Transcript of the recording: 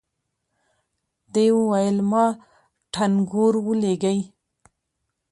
دې وويل ما ټنګور ولېږئ.